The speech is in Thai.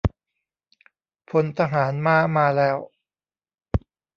พลทหารม้ามาแล้ว